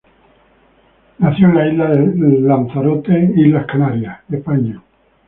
Nació en la Isla de Lanzarote, Islas Canarias, España.